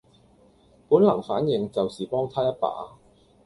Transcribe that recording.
本能反應就是幫她一把